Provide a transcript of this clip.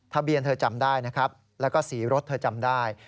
เธอจำได้นะครับแล้วก็สีรถเธอจำได้